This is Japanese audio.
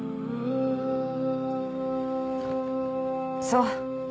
そう。